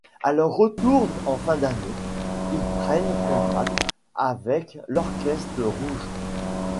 À leur retour en fin d'année, ils prennent contact avec l'Orchestre rouge.